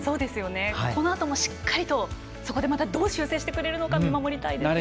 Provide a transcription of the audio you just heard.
このあともしっかりとまたどう修正してくるのか見守りたいですね。